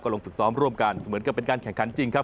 ลงฝึกซ้อมร่วมกันเสมือนกับเป็นการแข่งขันจริงครับ